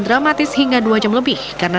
dramatis hingga dua jam lebih karena